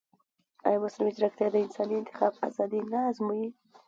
ایا مصنوعي ځیرکتیا د انساني انتخاب ازادي نه ازموي؟